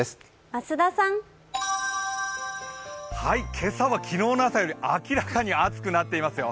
今朝は昨日の朝より明らかに暑くなっていますよ。